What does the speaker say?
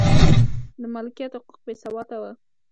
د مالکیت حقوق بې ثباته و.